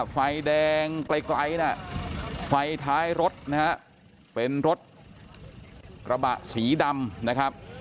ไฟแดงไกลไฟท้ายรถเป็นรถกระบะสีดำ